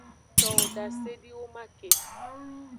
Towo dasediwoman ke.